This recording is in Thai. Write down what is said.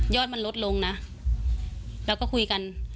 มันลดลงนะแล้วก็คุยกัน